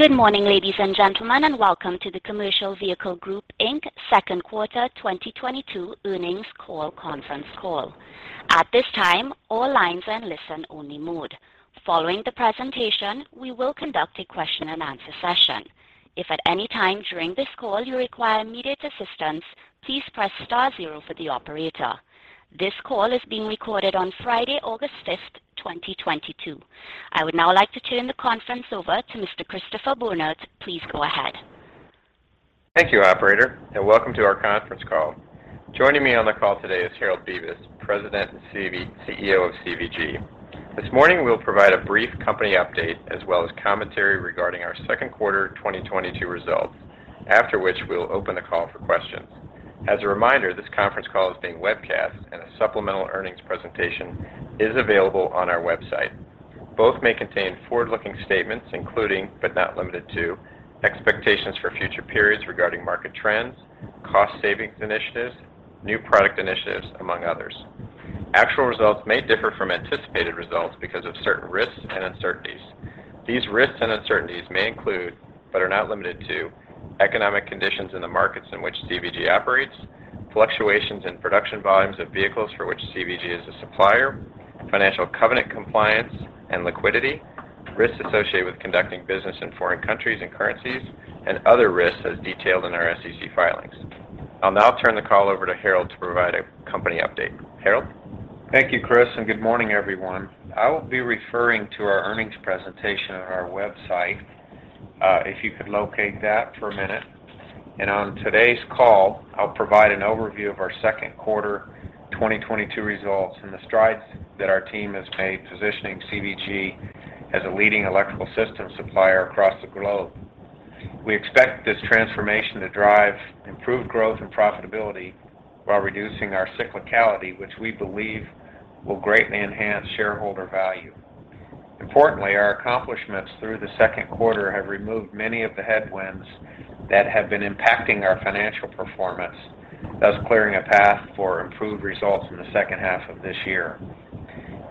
Good morning, ladies and gentlemen, and welcome to the Commercial Vehicle Group, Inc Second Quarter 2022 Earnings Call Conference Call. At this time, all lines are in listen-only mode. Following the presentation, we will conduct a question-and-answer session. If at any time during this call you require immediate assistance, please press star zero for the operator. This call is being recorded on Friday, August 5, 2022. I would now like to turn the conference over to Mr. Christopher Bohnert. Please go ahead. Thank you, operator, and welcome to our conference call. Joining me on the call today is Harold Bevis, President and CEO of CVG. This morning, we'll provide a brief company update as well as commentary regarding our second quarter 2022 results. After which, we'll open the call for questions. As a reminder, this conference call is being webcast and a supplemental earnings presentation is available on our website. Both may contain forward-looking statements, including, but not limited to, expectations for future periods regarding market trends, cost savings initiatives, new product initiatives, among others. Actual results may differ from anticipated results because of certain risks and uncertainties. These risks and uncertainties may include, but are not limited to economic conditions in the markets in which CVG operates, fluctuations in production volumes of vehicles for which CVG is a supplier, financial covenant compliance and liquidity, risks associated with conducting business in foreign countries and currencies, and other risks as detailed in our SEC filings. I'll now turn the call over to Harold to provide a company update. Harold? Thank you, Chris, and good morning, everyone. I will be referring to our earnings presentation on our website, if you could locate that for a minute. On today's call, I'll provide an overview of our second quarter 2022 results and the strides that our team has made positioning CVG as a leading electrical system supplier across the globe. We expect this transformation to drive improved growth and profitability while reducing our cyclicality, which we believe will greatly enhance shareholder value. Importantly, our accomplishments through the second quarter have removed many of the headwinds that have been impacting our financial performance, thus clearing a path for improved results in the second half of this year.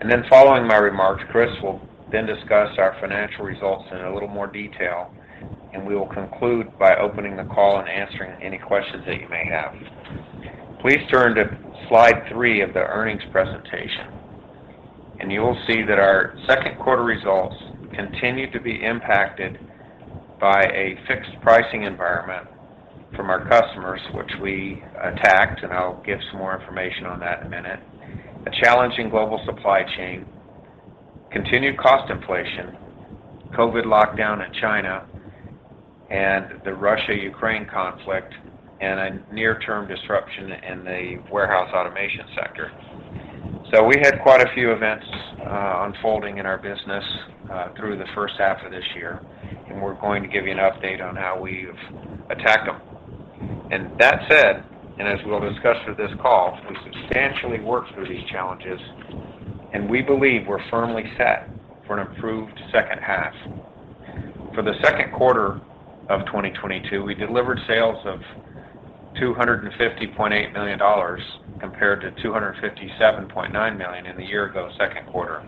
Then following my remarks, Chris will then discuss our financial results in a little more detail, and we will conclude by opening the call and answering any questions that you may have. Please turn to slide three of the earnings presentation, and you will see that our second quarter results continued to be impacted by a fixed pricing environment from our customers, which we attacked, and I'll give some more information on that in a minute. A challenging global supply chain, continued cost inflation, COVID lockdown in China, and the Russia-Ukraine conflict, and a near-term disruption in the Warehouse Automation sector. We had quite a few events, unfolding in our business, through the first half of this year, and we're going to give you an update on how we've attacked them. That said, and as we'll discuss through this call, we substantially worked through these challenges, and we believe we're firmly set for an improved second half. For the second quarter of 2022, we delivered sales of $250.8 million compared to $257.9 million in the year ago second quarter.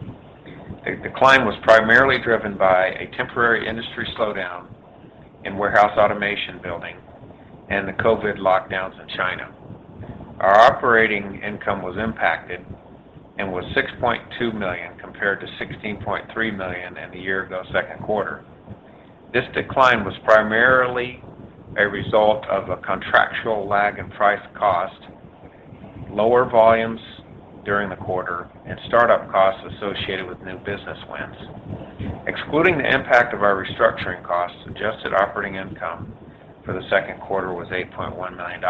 The decline was primarily driven by a temporary industry slowdown in Warehouse Automation building and the COVID lockdowns in China. Our operating income was impacted and was $6.2 million compared to $16.3 million in the year ago second quarter. This decline was primarily a result of a contractual lag in price cost, lower volumes during the quarter, and start-up costs associated with new business wins. Excluding the impact of our restructuring costs, adjusted operating income for the second quarter was $8.1 million.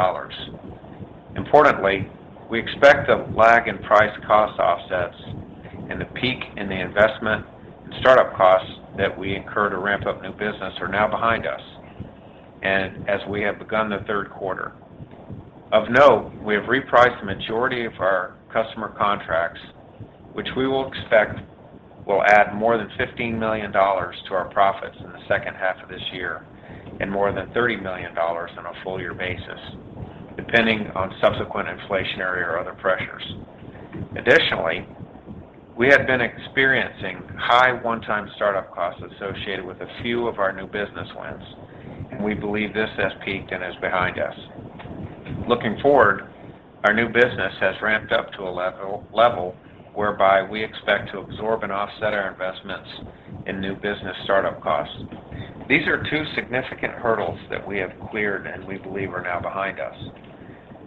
Importantly, we expect the lag in price cost offsets and the peak in the investment and start-up costs that we incur to ramp up new business are now behind us and as we have begun the third quarter. Of note, we have repriced the majority of our customer contracts, which we will expect will add more than $15 million to our profits in the second half of this year and more than $30 million on a full year basis, depending on subsequent inflationary or other pressures. Additionally, we have been experiencing high one-time start-up costs associated with a few of our new business wins, and we believe this has peaked and is behind us. Looking forward, our new business has ramped up to a level whereby we expect to absorb and offset our investments in new business start-up costs. These are two significant hurdles that we have cleared and we believe are now behind us.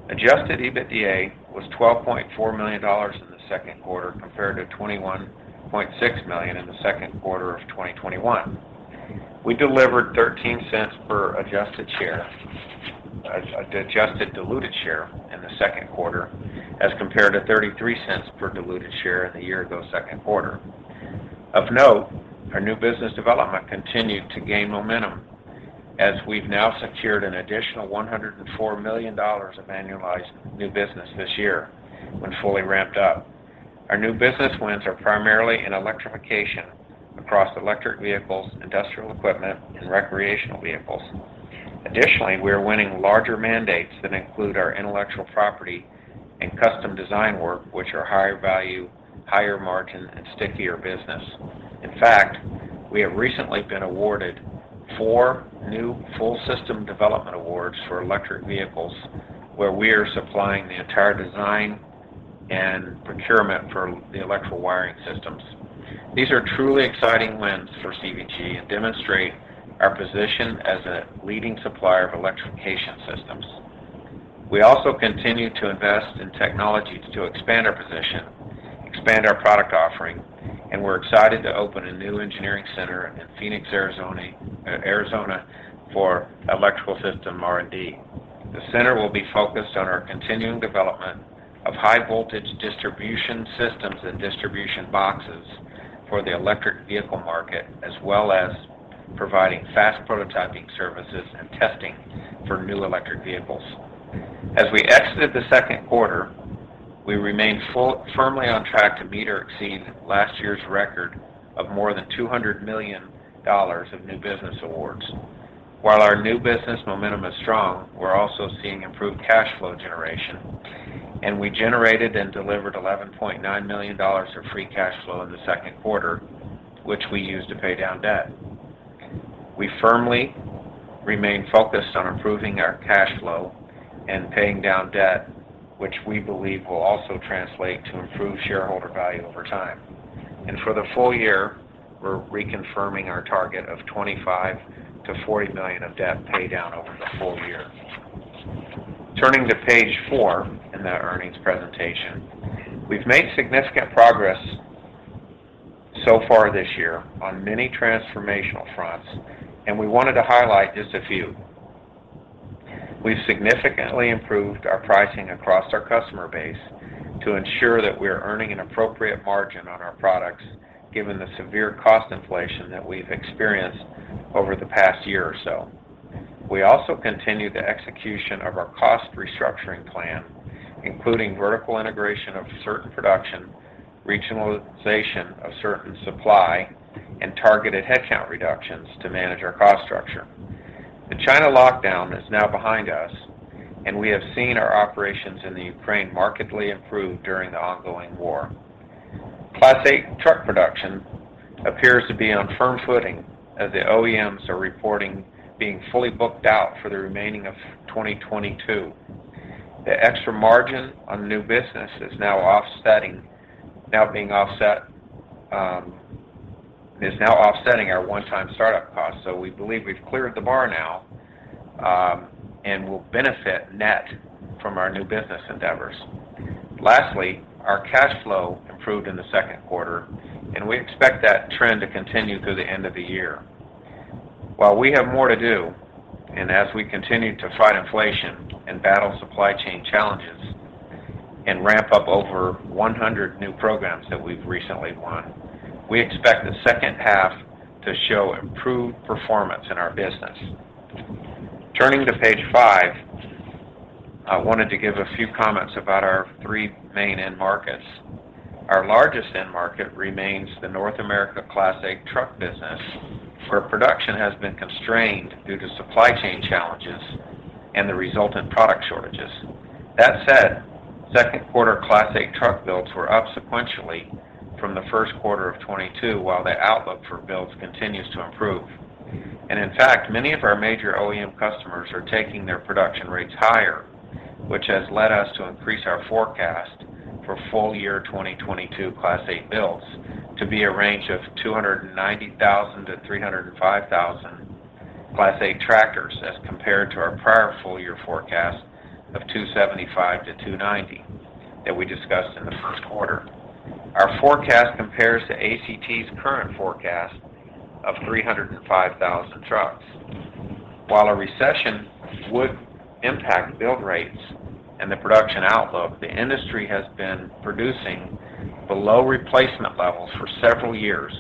Adjusted EBITDA was $12.4 million in the second quarter, compared to $21.6 million in the second quarter of 2021. We delivered $0.13 per adjusted diluted share in the second quarter, as compared to $0.33 per diluted share in the year ago second quarter. Of note, our new business development continued to gain momentum as we've now secured an additional $104 million of annualized new business this year when fully ramped up. Our new business wins are primarily in electrification across electric vehicles, industrial equipment, and recreational vehicles. Additionally, we are winning larger mandates that include our intellectual property and custom design work, which are higher value, higher margin, and stickier business. In fact, we have recently been awarded four new full system development awards for electric vehicles, where we are supplying the entire design and procurement for the electrical wiring systems. These are truly exciting wins for CVG and demonstrate our position as a leading supplier of electrification systems. We also continue to invest in technology to expand our position, expand our product offering, and we're excited to open a new engineering center in Phoenix, Arizona for electrical system R&D. The center will be focused on our continuing development of high voltage distribution systems and distribution boxes for the electric vehicle market, as well as providing fast prototyping services and testing for new electric vehicles. As we exited the second quarter, we remain firmly on track to meet or exceed last year's record of more than $200 million of new business awards. While our new business momentum is strong, we're also seeing improved cash flow generation, and we generated and delivered $11.9 million of free cash flow in the second quarter, which we used to pay down debt. We firmly remain focused on improving our cash flow and paying down debt, which we believe will also translate to improved shareholder value over time. For the full year, we're reconfirming our target of $25 million-$40 million of debt pay down over the full year. Turning to page four in the earnings presentation. We've made significant progress so far this year on many transformational fronts, and we wanted to highlight just a few. We've significantly improved our pricing across our customer base to ensure that we are earning an appropriate margin on our products, given the severe cost inflation that we've experienced over the past year or so. We continue the execution of our cost restructuring plan, including vertical integration of certain production, regionalization of certain supply, and targeted headcount reductions to manage our cost structure. The China lockdown is now behind us, and we have seen our operations in Ukraine markedly improve during the ongoing war. Class 8 truck production appears to be on firm footing as the OEMs are reporting being fully booked out for the remainder of 2022. The extra margin on new business is now offsetting our one-time start-up costs, so we believe we've cleared the bar now, and will benefit net from our new business endeavors. Lastly, our cash flow improved in the second quarter, and we expect that trend to continue through the end of the year. While we have more to do, and as we continue to fight inflation and battle supply chain challenges and ramp up over 100 new programs that we've recently won, we expect the second half to show improved performance in our business. Turning to page five, I wanted to give a few comments about our three main end markets. Our largest end market remains the North America Class 8 truck business, where production has been constrained due to supply chain challenges and the resultant product shortages. That said, second quarter Class 8 truck builds were up sequentially from the first quarter of 2022, while the outlook for builds continues to improve. In fact, many of our major OEM customers are taking their production rates higher, which has led us to increase our forecast for full year 2022 Class 8 builds to be a range of 290,000-305,000 Class 8 tractors as compared to our prior full year forecast of 275,000-290,000 that we discussed in the first quarter. Our forecast compares to ACT's current forecast of 305,000 trucks. While a recession would impact build rates and the production outlook, the industry has been producing below replacement levels for several years,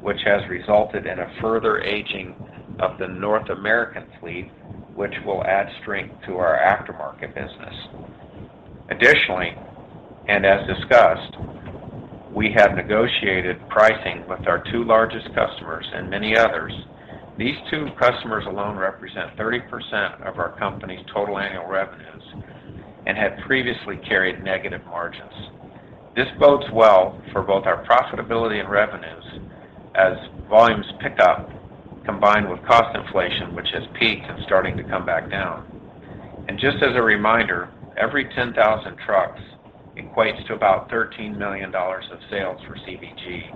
which has resulted in a further aging of the North American fleet, which will add strength to our aftermarket business. Additionally, and as discussed, we have negotiated pricing with our two largest customers and many others. These two customers alone represent 30% of our company's total annual revenues and had previously carried negative margins. This bodes well for both our profitability and revenues as volumes pick up combined with cost inflation, which has peaked and starting to come back down. Just as a reminder, every 10,000 trucks equates to about $13 million of sales for CVG,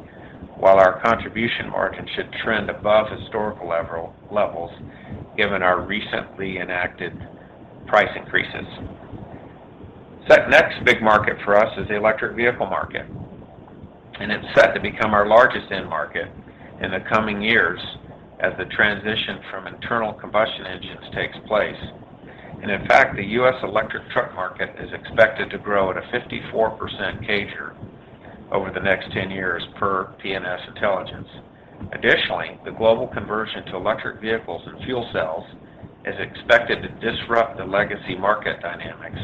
while our contribution margin should trend above historical levels given our recently enacted price increases. Next big market for us is the electric vehicle market, and it's set to become our largest end market in the coming years as the transition from internal combustion engines takes place. In fact, the U.S. electric truck market is expected to grow at a 54% CAGR over the next 10 years per P&S Intelligence. Additionally, the global conversion to electric vehicles and fuel cells is expected to disrupt the legacy market dynamics,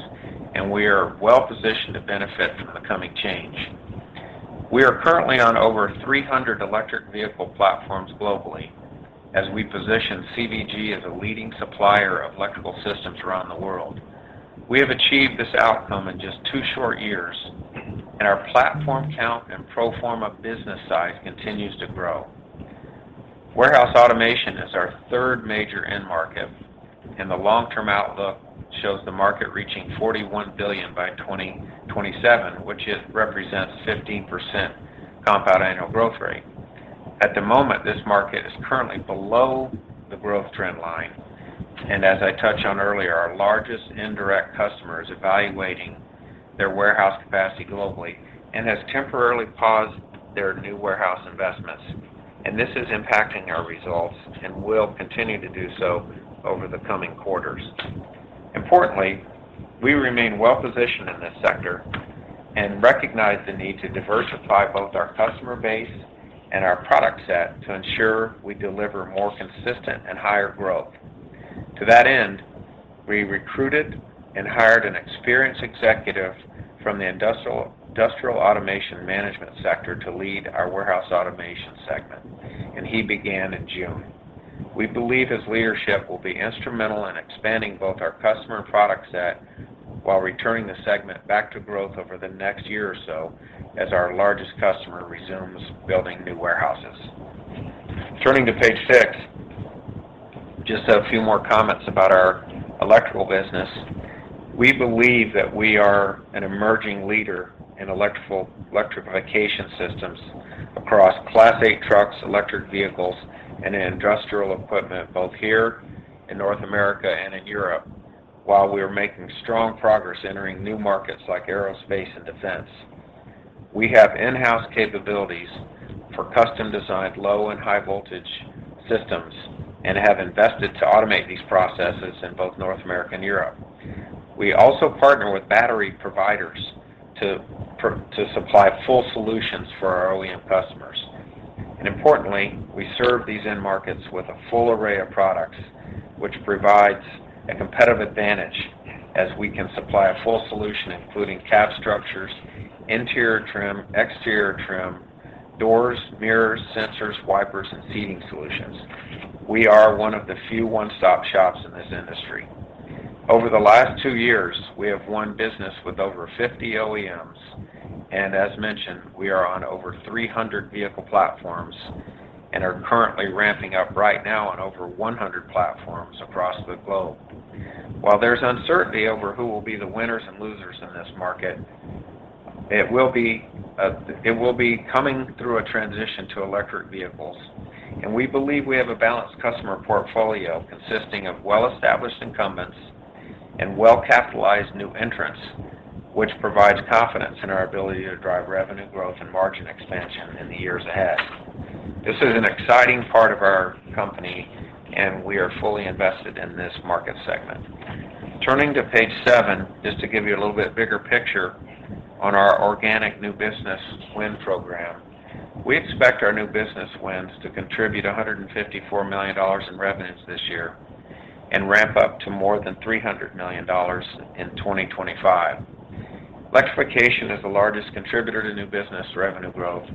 and we are well positioned to benefit from the coming change. We are currently on over 300 electric vehicle platforms globally as we position CVG as a leading supplier of Electrical Systems around the world. We have achieved this outcome in just two short years, and our platform count and pro forma business size continues to grow. Warehouse Automation is our third major end market, and the long-term outlook shows the market reaching $41 billion by 2027, which represents 15% compound annual growth rate. At the moment, this market is currently below the growth trend line. As I touched on earlier, our largest indirect customer is evaluating their warehouse capacity globally and has temporarily paused their new warehouse investments. This is impacting our results and will continue to do so over the coming quarters. Importantly, we remain well-positioned in this sector and recognize the need to diversify both our customer base and our product set to ensure we deliver more consistent and higher growth. To that end, we recruited and hired an experienced executive from the industrial automation management sector to lead our Warehouse Automation segment, and he began in June. We believe his leadership will be instrumental in expanding both our customer and product set while returning the segment back to growth over the next year or so as our largest customer resumes building new warehouses. Turning to page six, just a few more comments about our electrical business. We believe that we are an emerging leader in electrification systems across Class 8 trucks, electric vehicles, and in industrial equipment, both here in North America and in Europe, while we are making strong progress entering new markets like aerospace and defense. We have in-house capabilities for custom-designed low and high voltage systems and have invested to automate these processes in both North America and Europe. We also partner with battery providers to supply full solutions for our OEM customers. Importantly, we serve these end markets with a full array of products, which provides a competitive advantage as we can supply a full solution, including cab structures, interior trim, exterior trim, doors, mirrors, sensors, wipers, and seating solutions. We are one of the few one-stop shops in this industry. Over the last two years, we have won business with over 50 OEMs, and as mentioned, we are on over 300 vehicle platforms and are currently ramping up right now on over 100 platforms across the globe. While there's uncertainty over who will be the winners and losers in this market, it will be coming through a transition to electric vehicles, and we believe we have a balanced customer portfolio consisting of well-established incumbents and well-capitalized new entrants, which provides confidence in our ability to drive revenue growth and margin expansion in the years ahead. This is an exciting part of our company, and we are fully invested in this market segment. Turning to page 7, just to give you a little bit bigger picture on our organic new business win program. We expect our new business wins to contribute $154 million in revenues this year and ramp up to more than $300 million in 2025. Electrification is the largest contributor to new business revenue growth,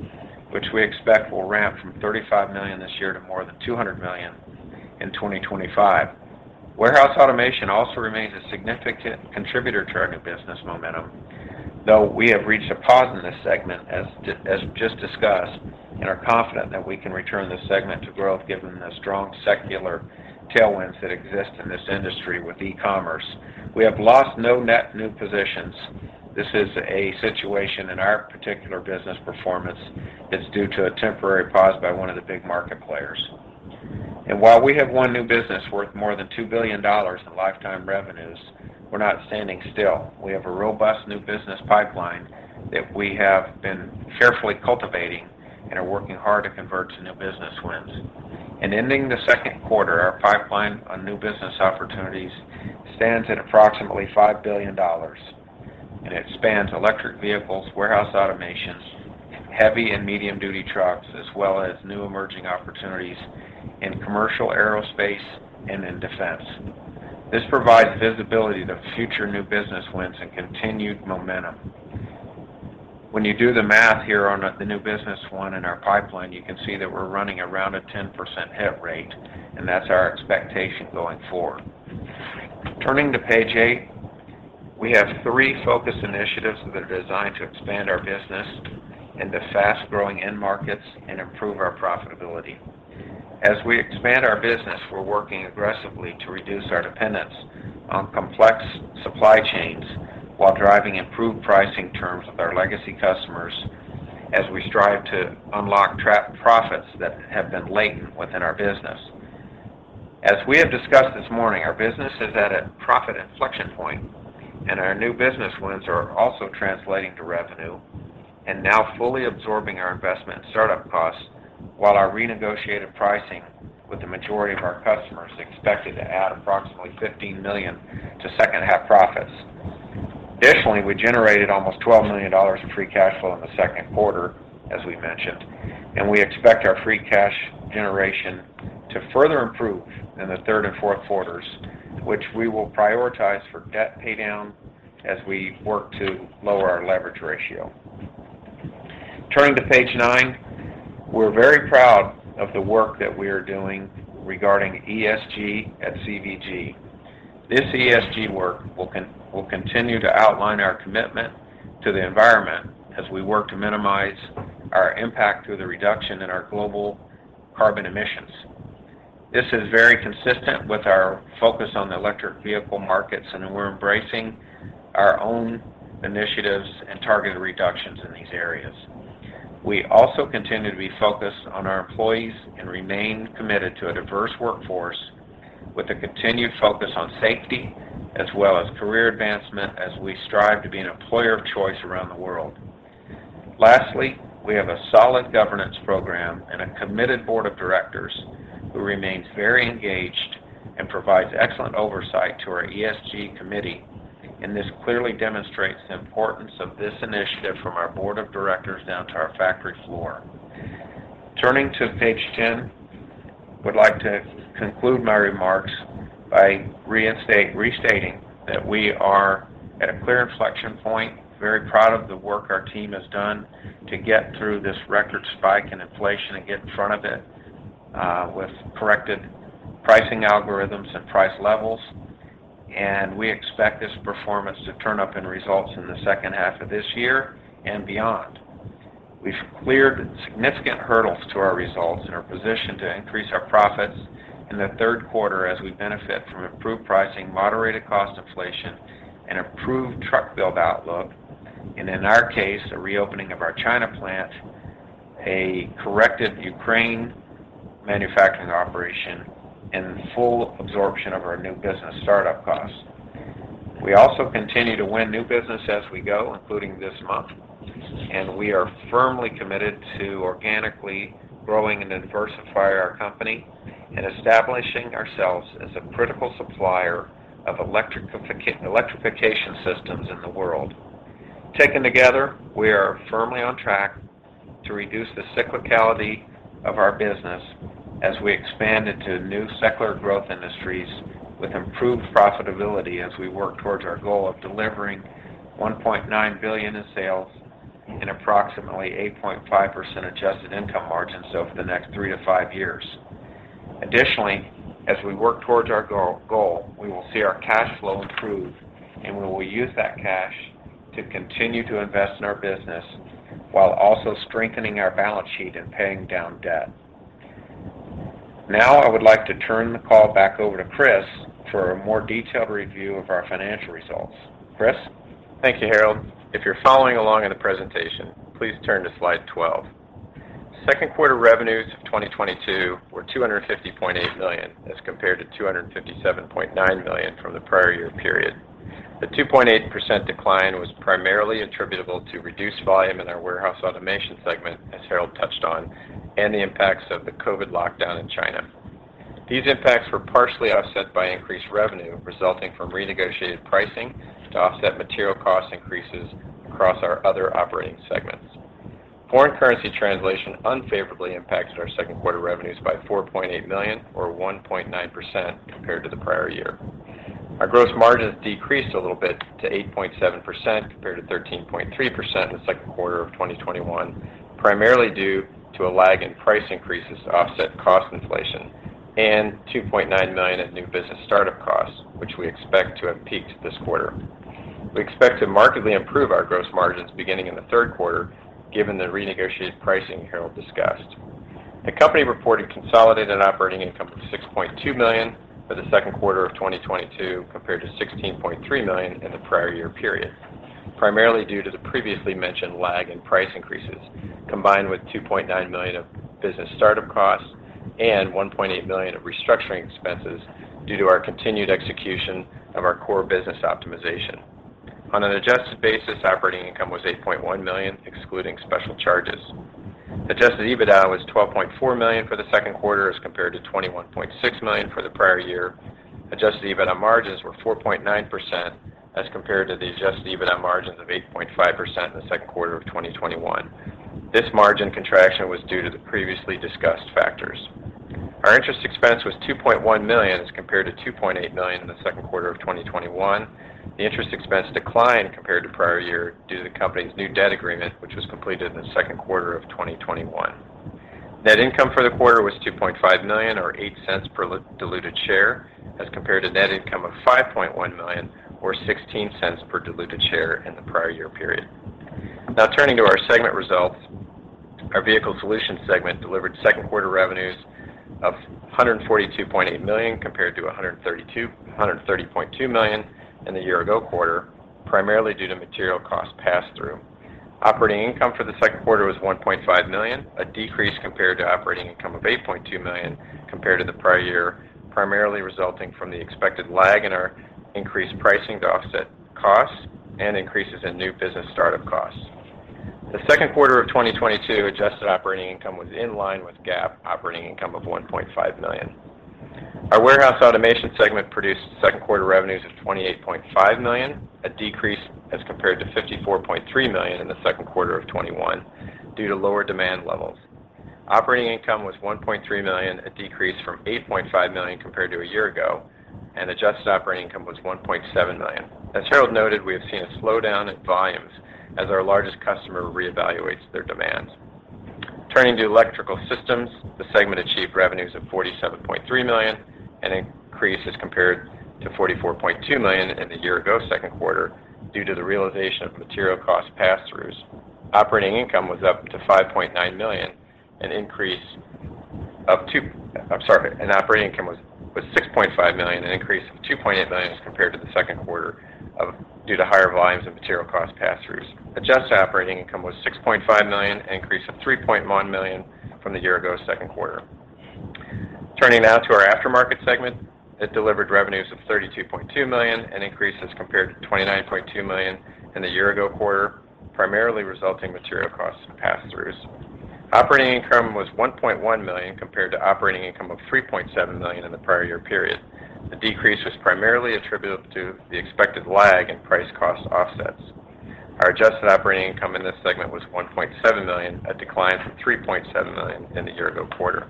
which we expect will ramp from $35 million this year to more than $200 million in 2025. Warehouse Automation also remains a significant contributor to our new business momentum, though we have reached a pause in this segment as just discussed, and are confident that we can return this segment to growth given the strong secular tailwinds that exist in this industry with e-commerce. We have lost no net new positions. This is a situation in our particular business performance that's due to a temporary pause by one of the big market players. While we have won new business worth more than $2 billion in lifetime revenues, we're not standing still. We have a robust new business pipeline that we have been carefully cultivating and are working hard to convert to new business wins. Ending the second quarter, our pipeline on new business opportunities stands at approximately $5 billion, and it spans electric vehicles, warehouse automation, heavy and medium-duty trucks, as well as new emerging opportunities in commercial aerospace and in defense. This provides visibility to future new business wins and continued momentum. When you do the math here on the new business won in our pipeline, you can see that we're running around a 10% hit rate, and that's our expectation going forward. Turning to page eight, we have three focus initiatives that are designed to expand our business into fast-growing end markets and improve our profitability. As we expand our business, we're working aggressively to reduce our dependence on complex supply chains while driving improved pricing terms with our legacy customers as we strive to unlock profits that have been latent within our business. As we have discussed this morning, our business is at a profit inflection point, and our new business wins are also translating to revenue and now fully absorbing our investment in start-up costs, while our renegotiated pricing with the majority of our customers expected to add approximately $15 million to second half profits. Additionally, we generated almost $12 million in free cash flow in the second quarter, as we mentioned, and we expect our free cash generation to further improve in the third and fourth quarters, which we will prioritize for debt pay down as we work to lower our leverage ratio. Turning to page nine, we're very proud of the work that we are doing regarding ESG at CVG. This ESG work will continue to outline our commitment to the environment as we work to minimize our impact through the reduction in our global carbon emissions. This is very consistent with our focus on the electric vehicle markets, and we're embracing our own initiatives and targeted reductions in these areas. We also continue to be focused on our employees and remain committed to a diverse workforce with a continued focus on safety as well as career advancement as we strive to be an employer of choice around the world. Lastly, we have a solid governance program and a committed board of directors who remains very engaged and provides excellent oversight to our ESG committee, and this clearly demonstrates the importance of this initiative from our board of directors down to our factory floor. Turning to page 10, I would like to conclude my remarks by restating that we are at a clear inflection point. Very proud of the work our team has done to get through this record spike in inflation and get in front of it, with corrected pricing algorithms and price levels. We expect this performance to turn up in results in the second half of this year and beyond. We've cleared significant hurdles to our results and are positioned to increase our profits in the third quarter as we benefit from improved pricing, moderated cost inflation, an improved truck build outlook, and in our case, a reopening of our China plant, a corrected Ukraine manufacturing operation, and full absorption of our new business startup costs. We also continue to win new business as we go, including this month. We are firmly committed to organically growing and diversify our company and establishing ourselves as a critical supplier of electrification systems in the world. Taken together, we are firmly on track to reduce the cyclicality of our business as we expand into new secular growth industries with improved profitability as we work towards our goal of delivering $1.9 billion in sales and approximately 8.5% adjusted income margins over the next 3-5 years. Additionally, as we work towards our goal, we will see our cash flow improve, and we will use that cash to continue to invest in our business while also strengthening our balance sheet and paying down debt. Now, I would like to turn the call back over to Chris for a more detailed review of our financial results. Chris. Thank you, Harold. If you're following along in the presentation, please turn to slide 12. Second quarter revenues of 2022 were $250.8 million as compared to $257.9 million from the prior year period. The 2.8% decline was primarily attributable to reduced volume in our warehouse automation segment, as Harold touched on, and the impacts of the COVID lockdown in China. These impacts were partially offset by increased revenue resulting from renegotiated pricing to offset material cost increases across our other operating segments. Foreign currency translation unfavorably impacted our second quarter revenues by $4.8 million or 1.9% compared to the prior year. Our gross margins decreased a little bit to 8.7% compared to 13.3% in the second quarter of 2021, primarily due to a lag in price increases to offset cost inflation and $2.9 million in new business startup costs, which we expect to have peaked this quarter. We expect to markedly improve our gross margins beginning in the third quarter, given the renegotiated pricing Harold discussed. The company reported consolidated operating income of $6.2 million for the second quarter of 2022 compared to $16.3 million in the prior year period. Primarily due to the previously mentioned lag in price increases, combined with $2.9 million of business startup costs and $1.8 million of restructuring expenses due to our continued execution of our core business optimization. On an adjusted basis, operating income was $8.1 million, excluding special charges. Adjusted EBITDA was $12.4 million for the second quarter as compared to $21.6 million for the prior year. Adjusted EBITDA margins were 4.9% as compared to the adjusted EBITDA margins of 8.5% in the second quarter of 2021. This margin contraction was due to the previously discussed factors. Our interest expense was $2.1 million as compared to $2.8 million in the second quarter of 2021. The interest expense declined compared to prior year due to the company's new debt agreement, which was completed in the second quarter of 2021. Net income for the quarter was $2.5 million or $0.08 per diluted share as compared to net income of $5.1 million or $0.16 per diluted share in the prior year period. Now turning to our segment results. Our Vehicle Solutions segment delivered second quarter revenues of $142.8 million compared to $130.2 million in the year ago quarter, primarily due to material cost pass-through. Operating income for the second quarter was $1.5 million, a decrease compared to operating income of $8.2 million compared to the prior year, primarily resulting from the expected lag in our increased pricing to offset costs and increases in new business start-up costs. The second quarter of 2022 adjusted operating income was in line with GAAP operating income of $1.5 million. Our warehouse automation segment produced second quarter revenues of $28.5 million, a decrease as compared to $54.3 million in the second quarter of 2021 due to lower demand levels. Operating income was $1.3 million, a decrease from $8.5 million compared to a year ago, and adjusted operating income was $1.7 million. As Harold noted, we have seen a slowdown in volumes as our largest customer reevaluates their demands. Turning to electrical systems, the segment achieved revenues of $47.3 million, an increase as compared to $44.2 million in the year ago second quarter due to the realization of material cost pass-throughs. Operating income was up to $5.9 million, an increase. Operating income was $6.5 million, an increase of $2.8 million as compared to the second quarter due to higher volumes of material cost pass-throughs. Adjusted operating income was $6.5 million, an increase of $3.1 million from the year ago second quarter. Turning now to our aftermarket segment, it delivered revenues of $32.2 million, an increase as compared to $29.2 million in the year ago quarter, primarily from material costs pass-throughs. Operating income was $1.1 million compared to operating income of $3.7 million in the prior year period. The decrease was primarily attributable to the expected lag in price-cost offsets. Our adjusted operating income in this segment was $1.7 million, a decline from $3.7 million in the year ago quarter.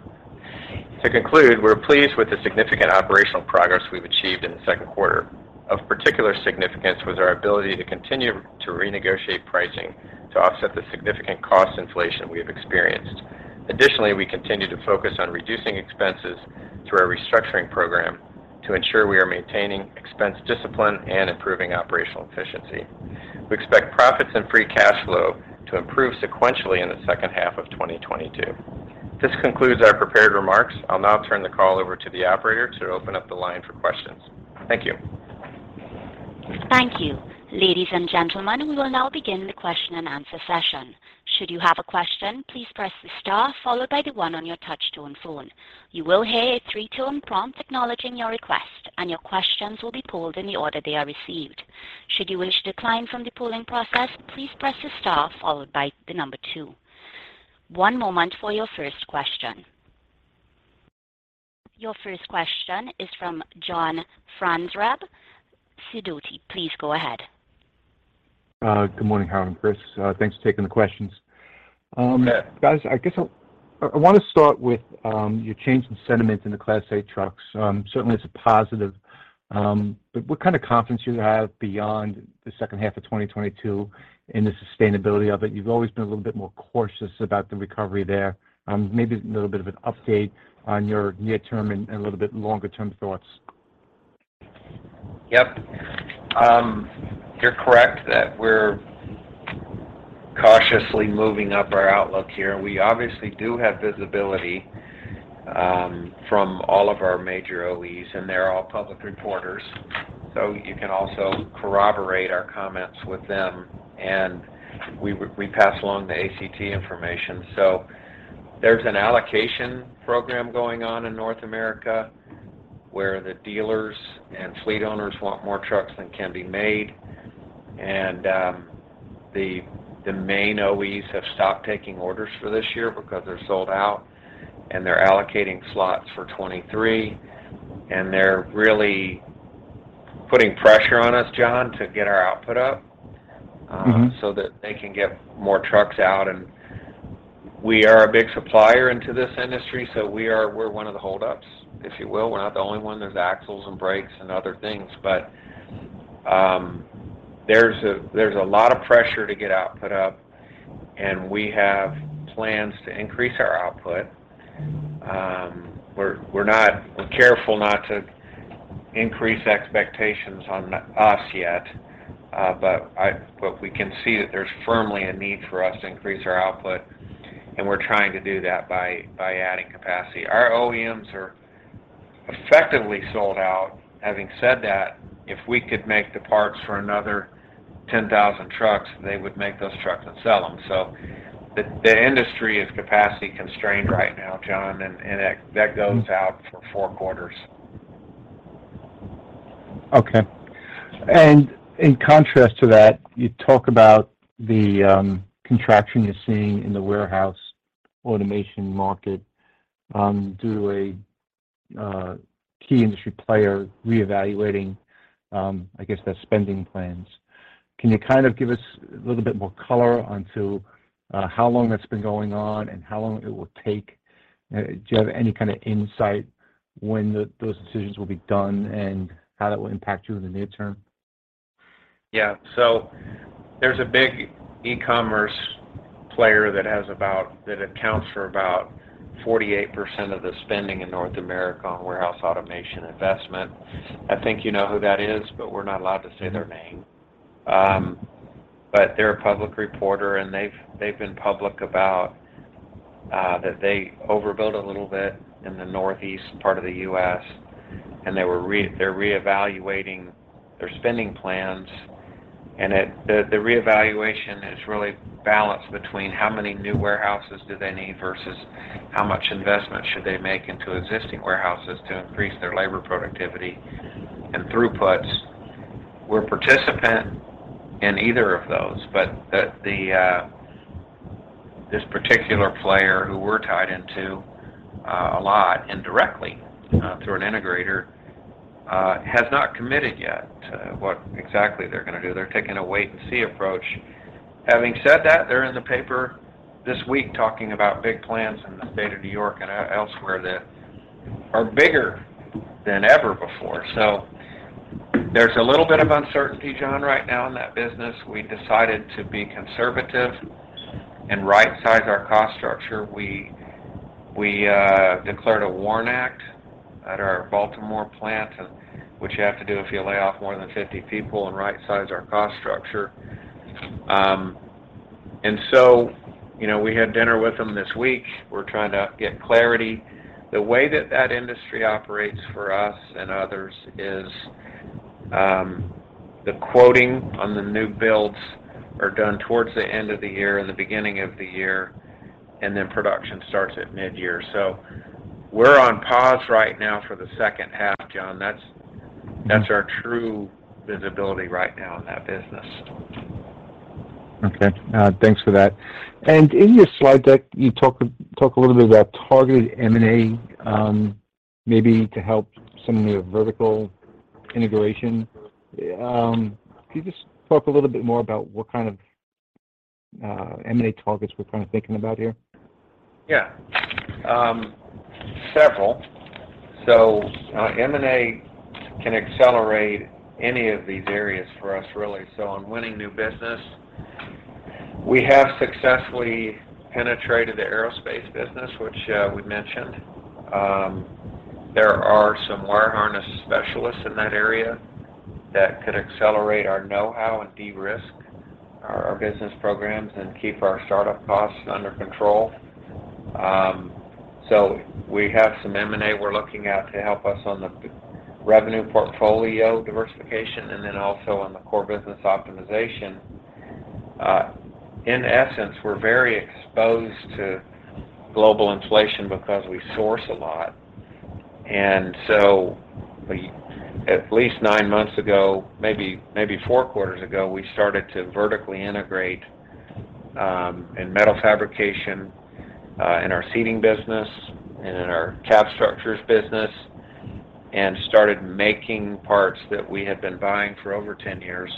To conclude, we're pleased with the significant operational progress we've achieved in the second quarter. Of particular significance was our ability to continue to renegotiate pricing to offset the significant cost inflation we have experienced. Additionally, we continue to focus on reducing expenses through our restructuring program to ensure we are maintaining expense discipline and improving operational efficiency. We expect profits and free cash flow to improve sequentially in the second half of 2022. This concludes our prepared remarks. I'll now turn the call over to the operator to open up the line for questions. Thank you. Thank you. Ladies and gentlemen, we will now begin the question-and-answer session. Should you have a question, please press the star followed by the one on your touchtone phone. You will hear a three-tone prompt acknowledging your request, and your questions will be queued in the order they are received. Should you wish to decline from the queuing process, please press the star followed by the number two. One moment for your first question. Your first question is from John Franzreb, Sidoti. Please go ahead. Good morning, Harold and Chris. Thanks for taking the questions. Yeah. Guys, I guess I wanna start with your change in sentiment in the Class 8 trucks. Certainly it's a positive, but what kind of confidence do you have beyond the second half of 2022 in the sustainability of it? You've always been a little bit more cautious about the recovery there. Maybe a little bit of an update on your near term and a little bit longer term thoughts. Yep. You're correct that we're cautiously moving up our outlook here. We obviously do have visibility from all of our major OEs, and they're all public reporters. You can also corroborate our comments with them, and we pass along the ACT information. There's an allocation program going on in North America, where the dealers and fleet owners want more trucks than can be made. The main OEs have stopped taking orders for this year because they're sold out, and they're allocating slots for 2023. They're really putting pressure on us, John, to get our output up. Mm-hmm. that they can get more trucks out. We are a big supplier into this industry, so we're one of the holdups, if you will. We're not the only one. There's axles and brakes and other things. There's a lot of pressure to get output up, and we have plans to increase our output. We're careful not to increase expectations on us yet. We can see that there's firmly a need for us to increase our output, and we're trying to do that by adding capacity. Our OEMs are effectively sold out. Having said that, if we could make the parts for another 10,000 trucks, they would make those trucks and sell them. The industry is capacity constrained right now, John, and that goes out for four quarters. Okay. In contrast to that, you talk about the contraction you're seeing in the Warehouse Automation market, due to a key industry player reevaluating, I guess their spending plans. Can you kind of give us a little bit more color onto how long that's been going on and how long it will take? Do you have any kind of insight when those decisions will be done and how that will impact you in the near term? Yeah. There's a big e-commerce player that accounts for about 48% of the spending in North America on Warehouse Automation investment. I think you know who that is, but we're not allowed to say their name. But they're a public reporter, and they've been public about that they overbuilt a little bit in the Northeast part of the U.S., and they're reevaluating their spending plans. The reevaluation is really balanced between how many new warehouses do they need versus how much investment should they make into existing warehouses to increase their labor productivity and throughputs. We're participant in either of those, but this particular player who we're tied into a lot indirectly through an integrator has not committed yet to what exactly they're gonna do. They're taking a wait and see approach. Having said that, they're in the paper this week talking about big plans in the state of New York and elsewhere that are bigger than ever before. There's a little bit of uncertainty, John, right now in that business. We decided to be conservative and right-size our cost structure. We declared a WARN Act at our Baltimore plant, which you have to do if you lay off more than 50 people, and right-size our cost structure. You know, we had dinner with them this week. We're trying to get clarity. The way that that industry operates for us and others is the quoting on the new builds are done towards the end of the year or the beginning of the year, and then production starts at mid-year. We're on pause right now for the second half, John. Mm-hmm. That's our true visibility right now in that business. Okay. Thanks for that. In your slide deck you talk a little bit about targeted M&A, maybe to help some of your vertical integration. Can you just talk a little bit more about what kind of M&A targets we're kind of thinking about here? Yeah. Several. M&A can accelerate any of these areas for us really. On winning new business, we have successfully penetrated the aerospace business, which we mentioned. There are some wire harness specialists in that area that could accelerate our know-how and de-risk our business programs and keep our startup costs under control. We have some M&A we're looking at to help us on the pre-revenue portfolio diversification and then also on the core business optimization. In essence, we're very exposed to global inflation because we source a lot. At least nine months ago, maybe four quarters ago, we started to vertically integrate in metal fabrication in our seating business and in our cab structures business, and started making parts that we had been buying for over 10 years.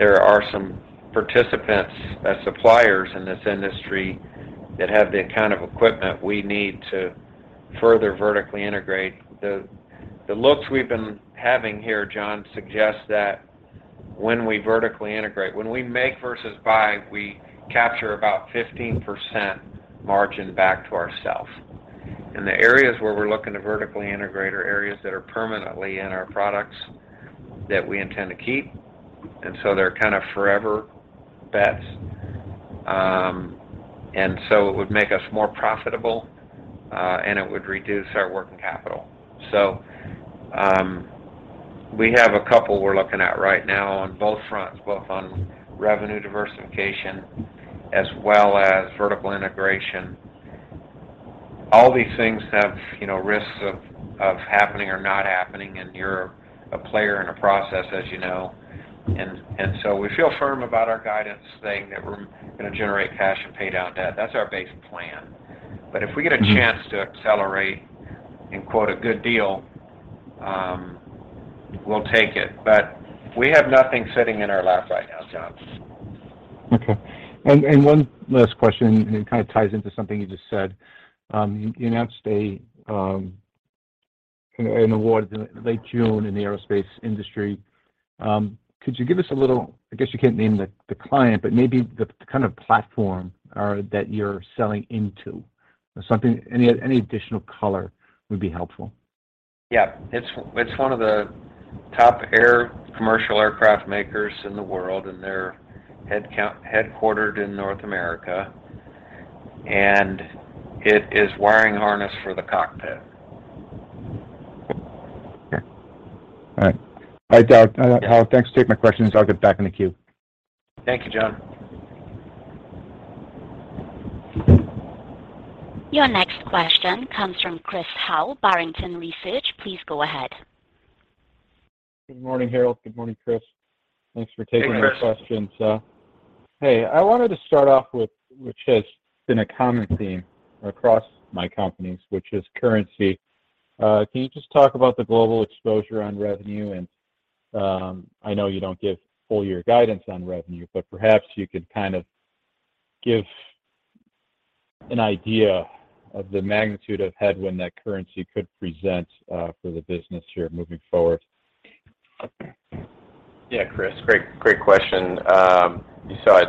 There are some participants, suppliers in this industry that have the kind of equipment we need to further vertically integrate. The looks we've been having here, John, suggest that when we vertically integrate, when we make versus buy, we capture about 15% margin back to ourself. The areas where we're looking to vertically integrate are areas that are permanently in our products that we intend to keep, and so they're kind of forever bets. It would make us more profitable, and it would reduce our working capital. We have a couple we're looking at right now on both fronts, both on revenue diversification as well as vertical integration. All these things have, you know, risks of happening or not happening, and you're a player in a process, as you know. We feel firm about our guidance saying that we're gonna generate cash and pay down debt. That's our base plan. If we get a chance to accelerate and quote a good deal, we'll take it. We have nothing sitting in our lap right now, John. Okay. One last question, and it kind of ties into something you just said. You announced an award in late June in the aerospace industry. Could you give us a little? I guess you can't name the client, but maybe the kind of platform or that you're selling into. Something, any additional color would be helpful. It's one of the top commercial aircraft makers in the world, and they're headquartered in North America, and it is wiring harness for the cockpit. Okay. All right, Harold. Yeah. Thanks for taking my questions. I'll get back in the queue. Thank you, John. Your next question comes from Chris Howe, Barrington Research. Please go ahead. Good morning, Harold. Good morning, Chris. Thanks for taking our questions. Hey, Chris. Hey, I wanted to start off with which has been a common theme across my companies, which is currency. Can you just talk about the global exposure on revenue? I know you don't give full year guidance on revenue, but perhaps you could kind of give an idea of the magnitude of headwind that currency could present for the business here moving forward. Yeah, Chris. Great question. You saw it.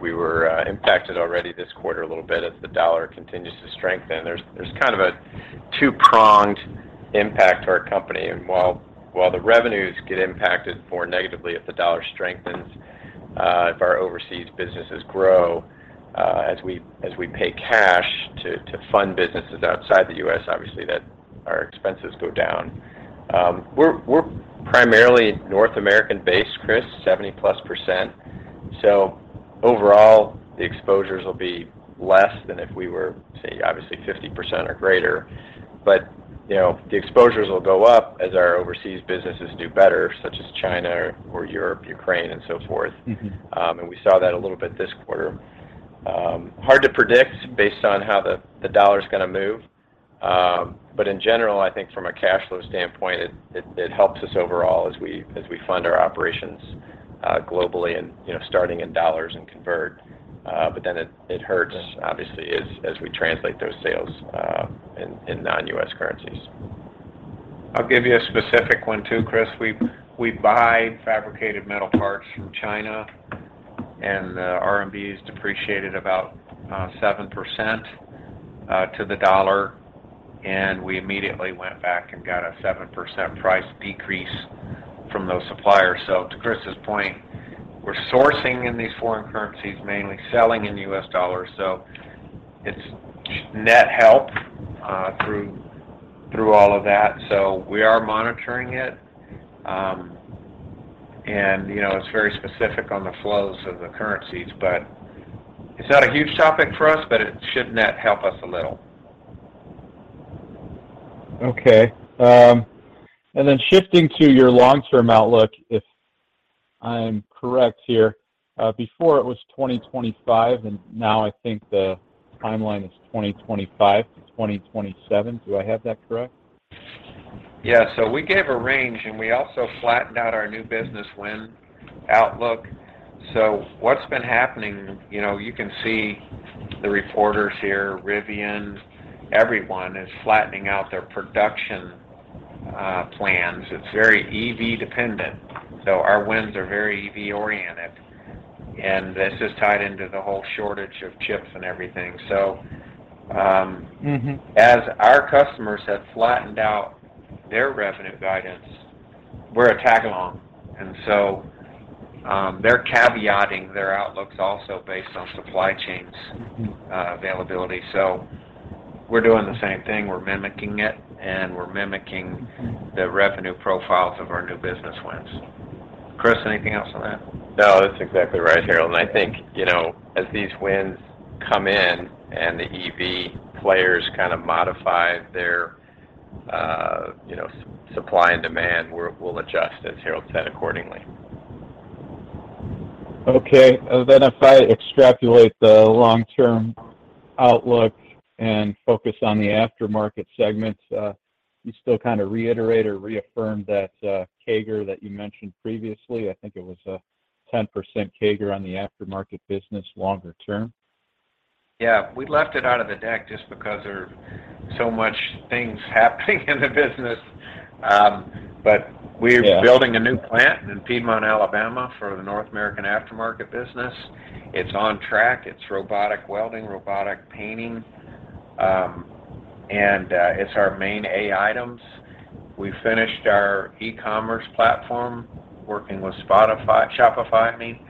We were impacted already this quarter a little bit as the dollar continues to strengthen. There's kind of a two-pronged impact to our company. While the revenues get impacted more negatively if the dollar strengthens, if our overseas businesses grow, as we pay cash to fund businesses outside the U.S., obviously that our expenses go down. We're primarily North American-based, Chris, 70%+. Overall, the exposures will be less than if we were, say, obviously 50% or greater. You know, the exposures will go up as our overseas businesses do better, such as China or Europe, Ukraine and so forth. Mm-hmm. We saw that a little bit this quarter. Hard to predict based on how the dollar's gonna move. In general, I think from a cash flow standpoint, it helps us overall as we fund our operations globally and, you know, starting in dollars and convert. Then it hurts obviously as we translate those sales in non-U.S. currencies. I'll give you a specific one too, Chris. We buy fabricated metal parts from China, and the RMB has depreciated about 7% to the dollar, and we immediately went back and got a 7% price decrease from those suppliers. To Chris's point, we're sourcing in these foreign currencies, mainly selling in the U.S. dollar. It's net help through all of that. We are monitoring it. You know, it's very specific on the flows of the currencies, but it's not a huge topic for us, but it should net help us a little. Okay. Shifting to your long-term outlook, if I'm correct here, before it was 2025, and now I think the timeline is 2025 to 2027. Do I have that correct? Yeah. We gave a range, and we also flattened out our new business win outlook. What's been happening, you know, you can see the reporters here, Rivian, everyone is flattening out their production plans. It's very EV dependent. Our wins are very EV oriented, and this is tied into the whole shortage of chips and everything. Mm-hmm. as our customers have flattened out their revenue guidance, we're a tag along. They're caveating their outlooks also based on supply chains. Mm-hmm. availability. We're doing the same thing. We're mimicking it, and we're mimicking the revenue profiles of our new business wins. Chris, anything else on that? No, that's exactly right, Harold. I think, you know, as these wins come in and the EV players kind of modify their, you know, supply and demand, we'll adjust, as Harold said, accordingly. Okay. If I extrapolate the long-term outlook and focus on the aftermarket segments, you still kind of reiterate or reaffirm that CAGR that you mentioned previously. I think it was a 10% CAGR on the aftermarket business longer term. Yeah. We left it out of the deck just because there's so much things happening in the business. Yeah.... building a new plant in Piedmont, Alabama, for the North American aftermarket business. It's on track. It's robotic welding, robotic painting, and it's our main A items. We finished our e-commerce platform working with Shopify, I mean.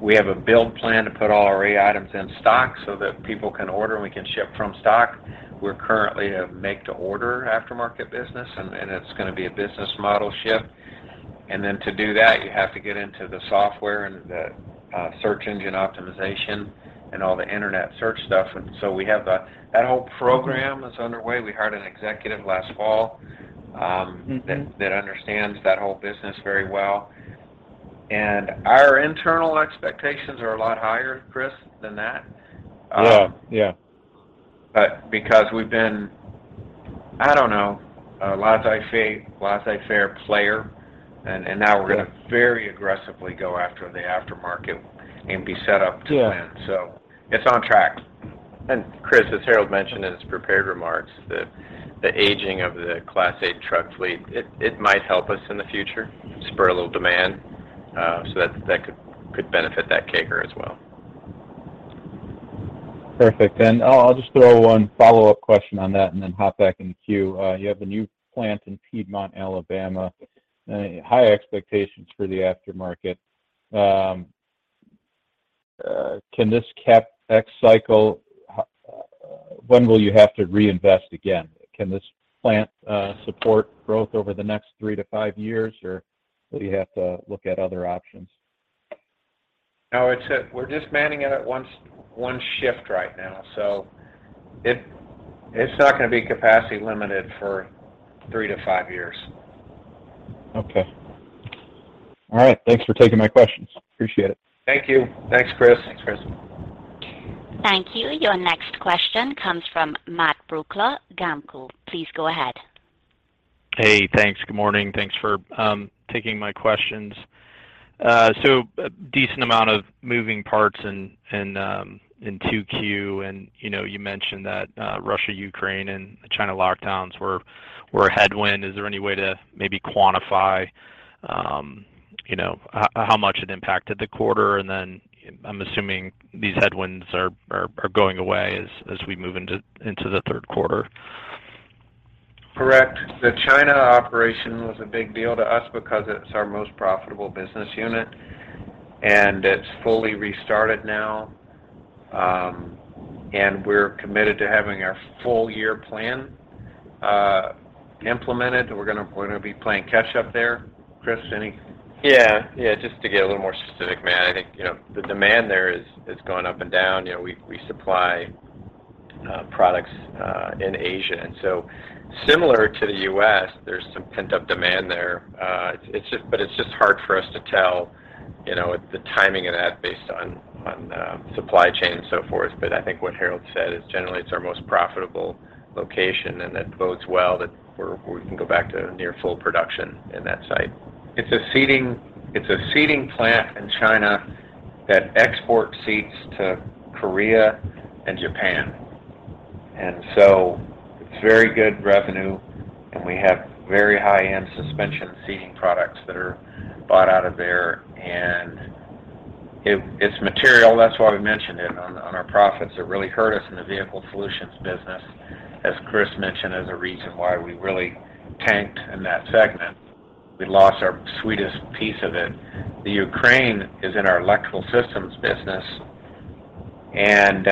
We have a build plan to put all our A items in stock so that people can order, and we can ship from stock. We're currently a make to order aftermarket business and it's gonna be a business model shift. Then to do that, you have to get into the software and the search engine optimization and all the internet search stuff. That whole program is underway. We hired an executive last fall. Mm-hmm. that understands that whole business very well. Our internal expectations are a lot higher, Chris, than that. Yeah, yeah. Because we've been, I don't know, a laissez-faire player, and now we're gonna very aggressively go after the aftermarket and be set up to win. Yeah. It's on track. Chris, as Harold mentioned in his prepared remarks, the aging of the Class 8 truck fleet, it might help us in the future spur a little demand, so that could benefit that CAGR as well. Perfect. I'll just throw one follow-up question on that and then hop back in the queue. You have a new plant in Piedmont, Alabama, high expectations for the aftermarket. When will you have to reinvest again? Can this plant support growth over the next 3-5 years, or will you have to look at other options? No, we're just manning it at one shift right now, so it's not gonna be capacity limited for three to five years. Okay. All right. Thanks for taking my questions. Appreciate it. Thank you. Thanks, Chris. Thanks, Chris. Thank you. Your next question comes from Matt Brooklier, GAMCO. Please go ahead. Hey. Thanks. Good morning. Thanks for taking my questions. A decent amount of moving parts in 2Q, you know, you mentioned that Russia, Ukraine, and China lockdowns were a headwind. Is there any way to maybe quantify, you know, how much it impacted the quarter? I'm assuming these headwinds are going away as we move into the third quarter. Correct. The China operation was a big deal to us because it's our most profitable business unit, and it's fully restarted now. We're committed to having our full-year plan implemented. We're gonna be playing catch up there. Chris, any- Yeah, yeah. Just to get a little more specific, Matt, I think, you know, the demand there is going up and down. You know, we supply products in Asia. Similar to the U.S., there's some pent-up demand there. It's just hard for us to tell, you know, the timing of that based on supply chain and so forth. I think what Harold said is generally it's our most profitable location, and that bodes well that we can go back to near full production in that site. It's a seating plant in China that exports seats to Korea and Japan. It's very good revenue, and we have very high-end suspension seating products that are bought out of there. It's material, that's why we mentioned it on our profits. It really hurt us in the Vehicle Solutions business, as Chris mentioned, as a reason why we really tanked in that segment. We lost our sweetest piece of it. The Ukraine is in our Electrical Systems business, it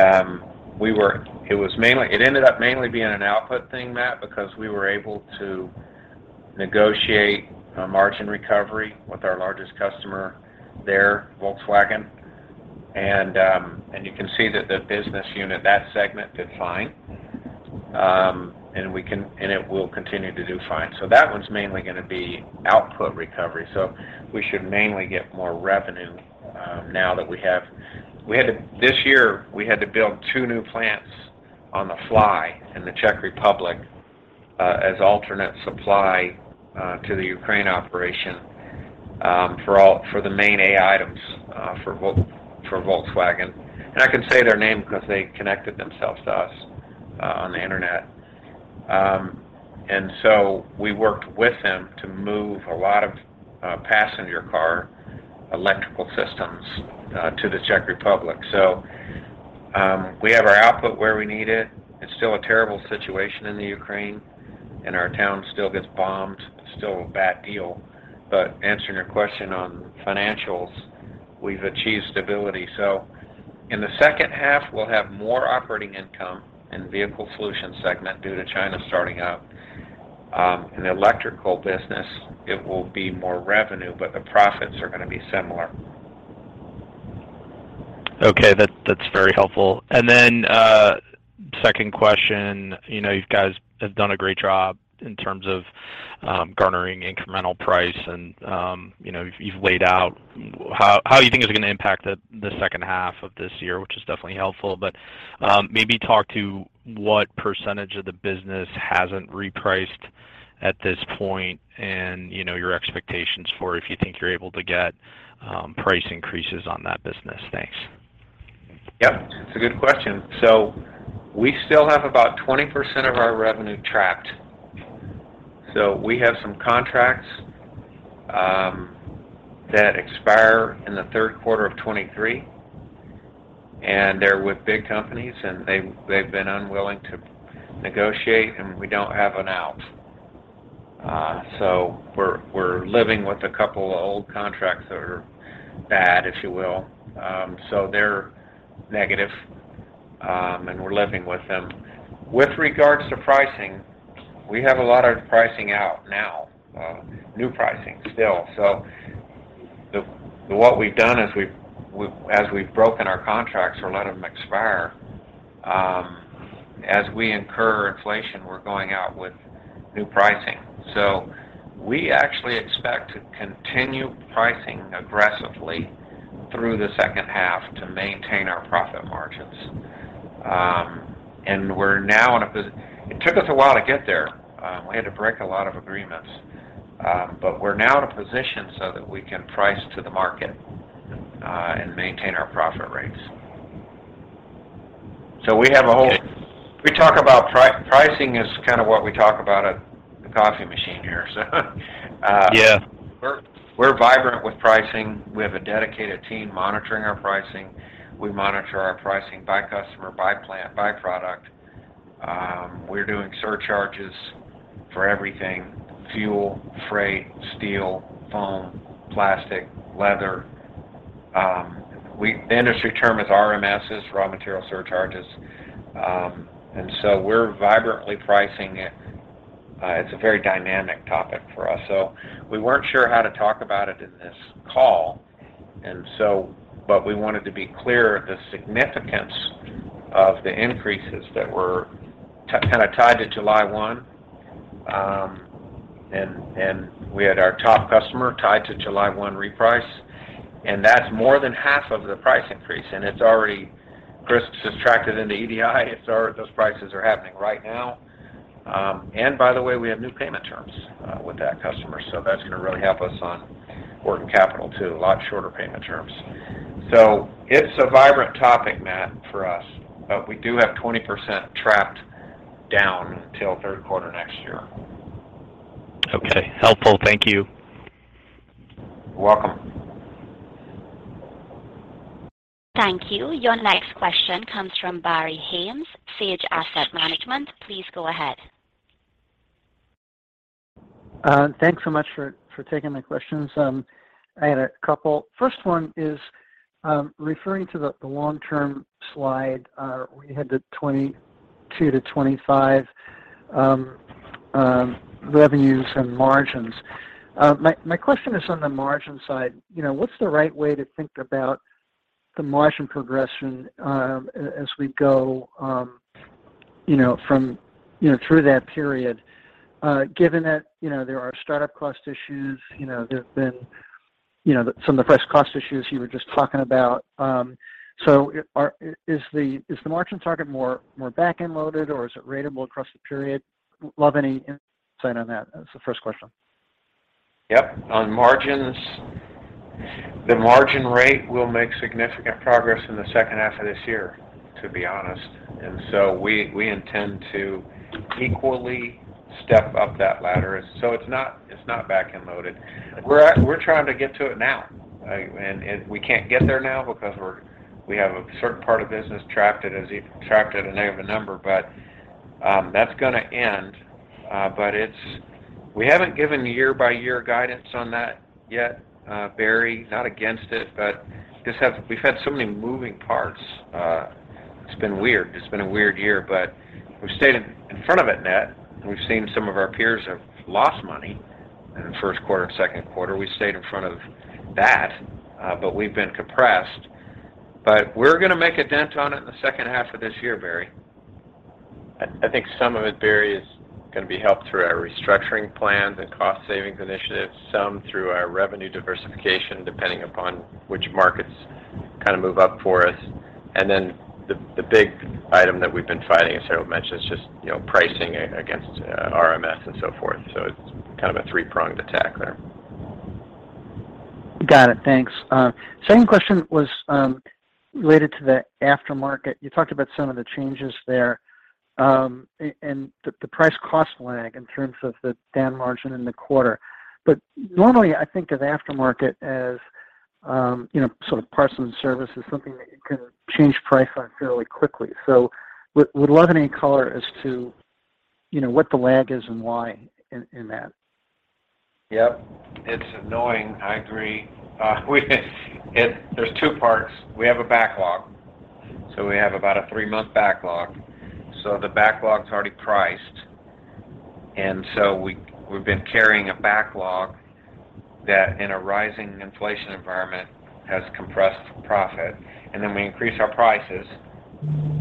ended up mainly being an output thing, Matt, because we were able to negotiate a margin recovery with our largest customer there, Volkswagen. You can see that the business unit, that segment did fine. It will continue to do fine. That one's mainly gonna be output recovery. We should mainly get more revenue now that we have. This year, we had to build two new plants on the fly in the Czech Republic as alternate supply to the Ukraine operation for the main A items for Volkswagen. I can say their name 'cause they connected themselves to us on the Internet. We worked with them to move a lot of passenger car Electrical Systems to the Czech Republic. We have our output where we need it. It's still a terrible situation in the Ukraine, and our town still gets bombed. It's still a bad deal. Answering your question on financials, we've achieved stability. In the second half, we'll have more operating income in the Vehicle Solutions segment due to China starting up. In the electrical business, it will be more revenue, but the profits are gonna be similar. Okay. That's very helpful. Then second question. You know, you guys have done a great job in terms of garnering incremental price and, you know, you've laid out how you think it's gonna impact the second half of this year, which is definitely helpful. Maybe talk to what percentage of the business hasn't repriced at this point and, you know, your expectations for if you think you're able to get price increases on that business. Thanks. Yep. It's a good question. We still have about 20% of our revenue trapped. We have some contracts that expire in the third quarter of 2023, and they're with big companies, and they've been unwilling to negotiate, and we don't have an out. We're living with a couple of old contracts that are bad, if you will. They're negative, and we're living with them. With regards to pricing, we have a lot of pricing out now, new pricing still. What we've done is we've as we've broken our contracts or let them expire, as we incur inflation, we're going out with new pricing. We actually expect to continue pricing aggressively through the second half to maintain our profit margins. It took us a while to get there. We had to break a lot of agreements. We're now in a position so that we can price to the market, and maintain our profit rates. Okay. We talk about pricing is kind of what we talk about at the coffee machine here, so. Yeah. We're vigilant with pricing. We have a dedicated team monitoring our pricing. We monitor our pricing by customer, by plant, by product. We're doing surcharges for everything, fuel, freight, steel, foam, plastic, leather. The industry term is RMS, raw material surcharges. We're vigilantly pricing it. It's a very dynamic topic for us. We weren't sure how to talk about it in this call, but we wanted to be clear of the significance of the increases that were kind of tied to July 1. We had our top customer tied to July 1 reprice, and that's more than half of the price increase, and it's already, Chris, subtracted into EDI, so those prices are happening right now. By the way, we have new payment terms with that customer, so that's gonna really help us on working capital too, a lot shorter payment terms. It's a vibrant topic, Matt, for us, but we do have 20% trapped down until third quarter next year. Okay. Helpful. Thank you. You're welcome. Thank you. Your next question comes from Barry Haimes, Sage Asset Management. Please go ahead. Thanks so much for taking the questions. I had a couple. First one is, referring to the long-term slide, where you had the 2022-2025 revenues and margins. My question is on the margin side. You know, what's the right way to think about the margin progression, as we go, you know, from, you know, through that period, given that, you know, there are startup cost issues, you know, there have been, you know, some of the price cost issues you were just talking about. Is the margin target more back-end loaded, or is it ratable across the period? Love any insight on that. That's the first question. Yep. On margins, the margin rate will make significant progress in the second half of this year, to be honest. We intend to equally step up that ladder. It's not back-end loaded. We're trying to get to it now. We can't get there now because we have a certain part of the business trapped. It is trapped at a negative number, but that's gonna end. We haven't given year-by-year guidance on that yet, Barry. Not against it, but we've had so many moving parts. It's been weird. It's been a weird year, but we've stayed in front of it, net. We've seen some of our peers have lost money in the first quarter and second quarter. We stayed in front of that, but we've been compressed. We're gonna make a dent on it in the second half of this year, Barry. I think some of it, Barry, is gonna be helped through our restructuring plans and cost savings initiatives, some through our revenue diversification, depending upon which markets kind of move up for us. The big item that we've been fighting, as Harold mentioned, is just, you know, pricing against RMS and so forth. It's kind of a three-pronged attack there. Got it. Thanks. Second question was related to the aftermarket. You talked about some of the changes there, and the price cost lag in terms of the down margin in the quarter. Normally I think of aftermarket as, you know, sort of parts and services, something that you can change price on fairly quickly. Would love any color as to, you know, what the lag is and why in that. Yep. It's annoying, I agree. There's two parts. We have a backlog, so we have about a three-month backlog. So the backlog's already priced, and we've been carrying a backlog that in a rising inflation environment has compressed profit. Then we increase our prices,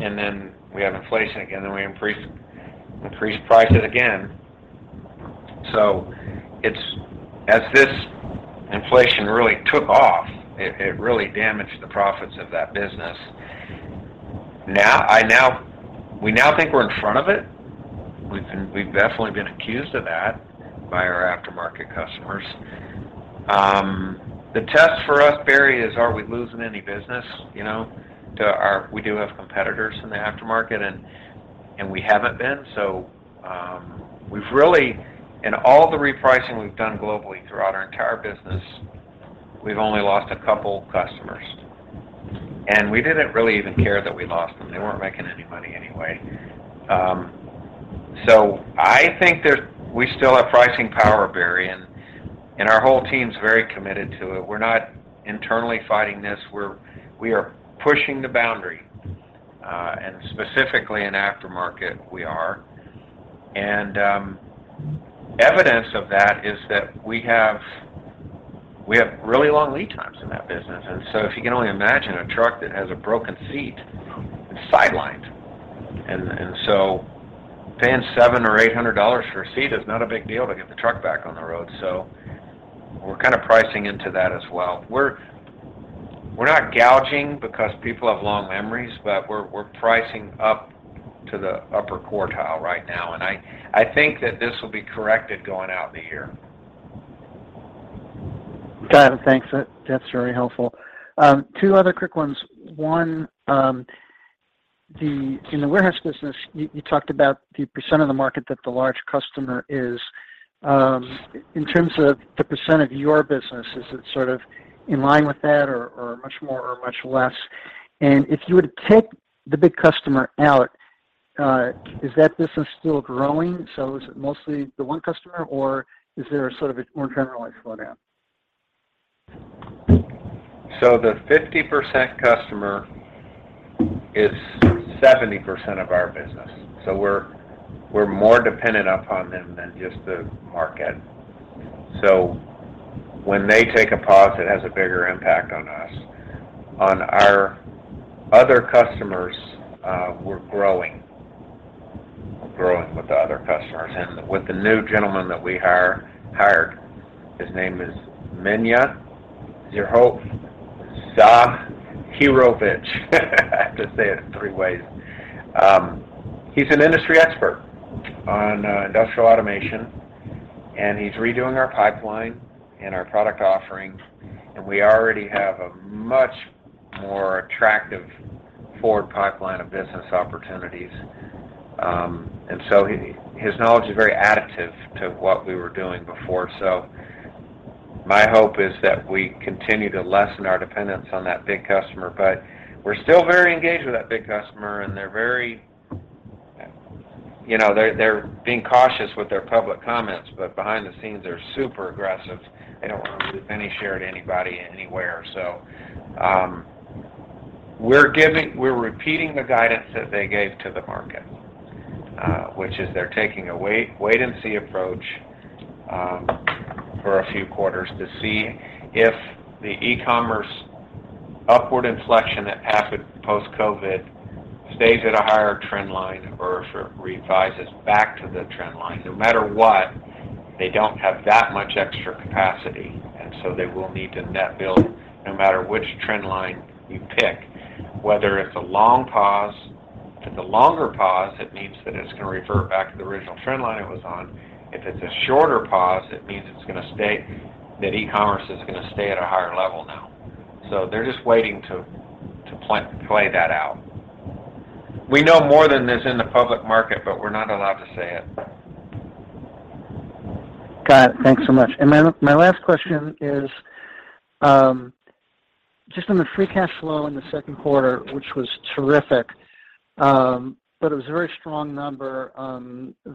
and then we have inflation again, and we increase prices again. As this inflation really took off, it really damaged the profits of that business. Now we think we're in front of it. We've definitely been accused of that by our aftermarket customers. The test for us, Barry, is, are we losing any business, you know, to our competitors in the aftermarket, and we haven't been. We've really, in all the repricing we've done globally throughout our entire business, we've only lost a couple customers. We didn't really even care that we lost them. They weren't making any money anyway. I think we still have pricing power, Barry, and our whole team's very committed to it. We're not internally fighting this. We are pushing the boundary, and specifically in aftermarket, we are. Evidence of that is that we have really long lead times in that business. If you can only imagine a truck that has a broken seat, it's sidelined. Paying $700-$800 for a seat is not a big deal to get the truck back on the road. We're kind of pricing into that as well. We're not gouging because people have long memories, but we're pricing up to the upper quartile right now. I think that this will be corrected going into the year. Got it. Thanks. That's very helpful. Two other quick ones. One, then in the warehouse business, you talked about the percent of the market that the large customer is. In terms of the percent of your business, is it sort of in line with that or much more or much less? If you were to take the big customer out, is that business still growing? Is it mostly the one customer, or is there a sort of a more generalized slowdown? The 50% customer is 70% of our business, so we're more dependent upon them than just the market. When they take a pause, it has a bigger impact on us. On our other customers, we're growing. We're growing with the other customers and with the new gentleman that we hired. His name is Minja Zahirovic. I have to say it three ways. He's an industry expert on industrial automation, and he's redoing our pipeline and our product offerings, and we already have a much more attractive forward pipeline of business opportunities. His knowledge is very additive to what we were doing before. My hope is that we continue to lessen our dependence on that big customer, but we're still very engaged with that big customer. You know, they're being cautious with their public comments, but behind the scenes, they're super aggressive. They don't want to lose any share to anybody, anywhere. We're repeating the guidance that they gave to the market, which is they're taking a wait and see approach for a few quarters to see if the e-commerce upward inflection that happened post-COVID stays at a higher trend line or if it revises back to the trend line. No matter what, they don't have that much extra capacity, and so they will need to net build no matter which trend line you pick, whether it's a long pause. If it's a longer pause, it means that it's gonna revert back to the original trend line it was on. If it's a shorter pause, it means it's gonna stay, that e-commerce is gonna stay at a higher level now. They're just waiting to play that out. We know more than this in the public market, but we're not allowed to say it. Got it. Thanks so much. My last question is just on the free cash flow in the second quarter, which was terrific, but it was a very strong number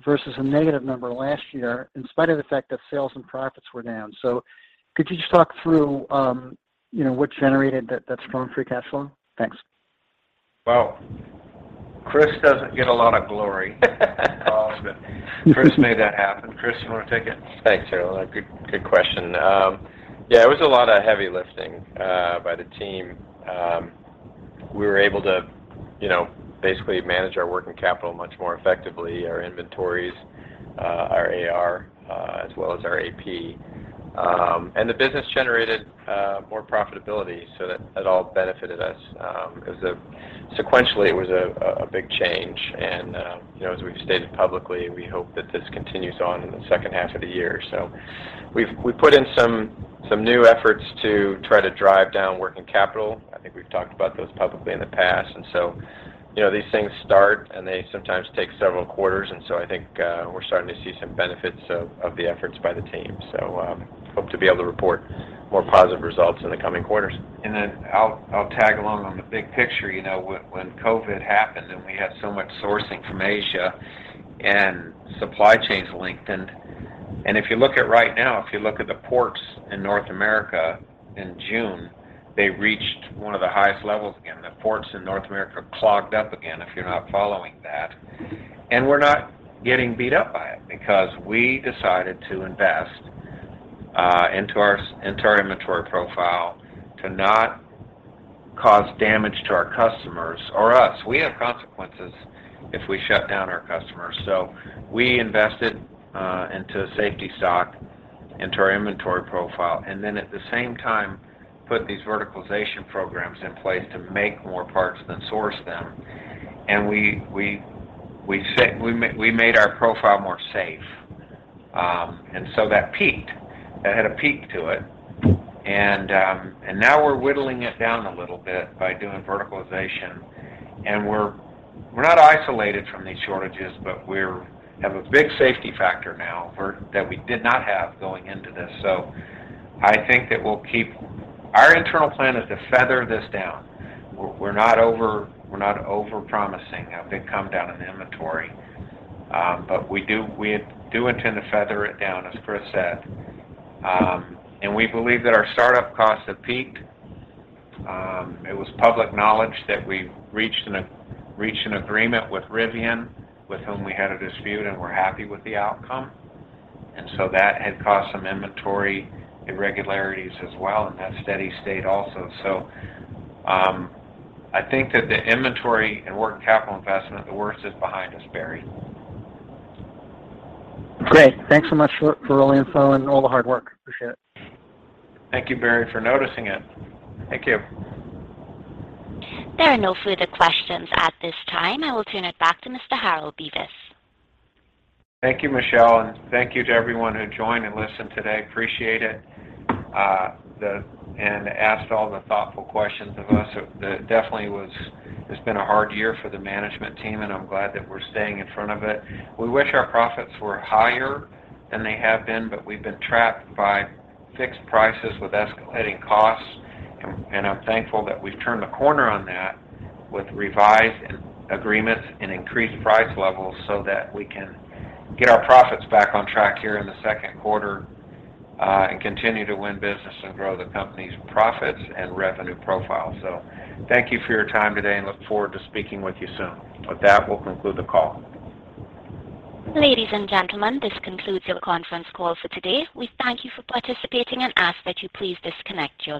versus a negative number last year in spite of the fact that sales and profits were down. Could you just talk through you know what generated that strong free cash flow? Thanks. Well, Chris doesn't get a lot of glory at all, but Chris made that happen. Chris, you wanna take it? Thanks, Harold. Good question. Yeah, it was a lot of heavy lifting by the team. We were able to, you know, basically manage our working capital much more effectively, our inventories, our AR, as well as our AP. The business generated more profitability, so that all benefited us, because sequentially, it was a big change. You know, as we've stated publicly, we hope that this continues on in the second half of the year. We've put in some new efforts to try to drive down working capital. I think we've talked about those publicly in the past. You know, these things start, and they sometimes take several quarters. I think we're starting to see some benefits of the efforts by the team. Hope to be able to report more positive results in the coming quarters. I'll tag along on the big picture. You know, when COVID happened, and we had so much sourcing from Asia and supply chains lengthened. If you look at right now, if you look at the ports in North America in June, they reached one of the highest levels again. The ports in North America clogged up again, if you're not following that. We're not getting beat up by it because we decided to invest into our inventory profile to not cause damage to our customers or us. We have consequences if we shut down our customers. We invested into safety stock, into our inventory profile, and then at the same time, put these verticalization programs in place to make more parts than source them. We made our profile more safe. That peaked. That had a peak to it. Now we're whittling it down a little bit by doing verticalization. We're not isolated from these shortages, but we have a big safety factor now that we did not have going into this. I think that we'll keep. Our internal plan is to feather this down. We're not over-promising a big come down in inventory. We intend to feather it down, as Chris said. We believe that our startup costs have peaked. It was public knowledge that we reached an agreement with Rivian, with whom we had a dispute, and we're happy with the outcome. That had caused some inventory irregularities as well in that steady state also. I think that the inventory and working capital investment, the worst is behind us, Barry. Great. Thanks so much for all the info and all the hard work. Appreciate it. Thank you, Barry, for noticing it. Thank you. There are no further questions at this time. I will turn it back to Mr. Harold Bevis. Thank you, Michelle, and thank you to everyone who joined and listened today. Appreciate it. Asked all the thoughtful questions of us. It definitely, it's been a hard year for the management team, and I'm glad that we're staying in front of it. We wish our profits were higher than they have been, but we've been trapped by fixed prices with escalating costs. I'm thankful that we've turned a corner on that with revised agreements and increased price levels so that we can get our profits back on track here in the second quarter, and continue to win business and grow the company's profits and revenue profile. Thank you for your time today and look forward to speaking with you soon. With that, we'll conclude the call. Ladies and gentlemen, this concludes your conference call for today. We thank you for participating and ask that you please disconnect your line.